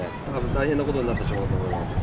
大変なことになってしまうと思います。